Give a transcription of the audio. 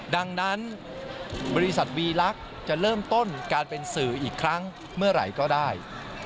ดังนั้นบริษัทวีลักษณ์จะเริ่มต้นการเป็นสื่ออีกครั้งเมื่อไหร่ก็ได้